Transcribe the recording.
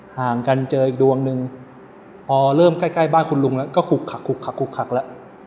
ห่างกันเจออีกดวงนึงพอเริ่มใกล้บ้านคุณลุงแล้วก็ขุกขักแล้ว